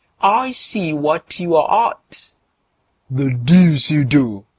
I see what you're at! "The deuce you do!"